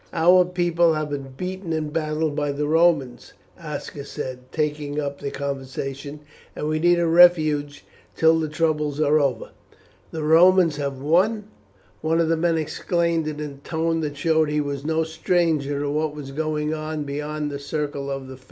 "Our people have been beaten in battle by the Romans," Aska said, taking up the conversation, "and we need a refuge till the troubles are over." "The Romans have won!" one of the men exclaimed in a tone that showed he was no stranger to what was going on beyond the circle of the Fens.